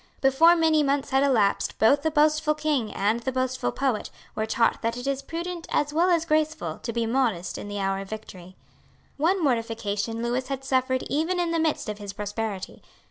Before many months had elapsed both the boastful king and the boastful poet were taught that it is prudent as well as graceful to be modest in the hour of victory. One mortification Lewis had suffered even in the midst of his prosperity.